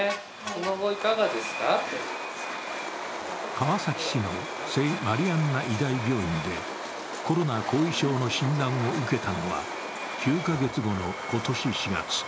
川崎市の聖マリアンナ医大病院でコロナ後遺症の診断を受けたのは、９か月後の今年４月。